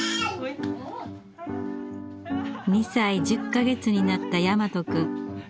２歳１０か月になった大和くん。